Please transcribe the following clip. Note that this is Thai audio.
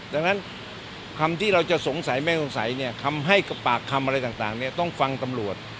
ดังนั้นคำที่เราจะสงสัยไม่สงสัยเนี่ยคำให้ปากคำอะไรต่างเนี่ยต้องฟังตำรวจ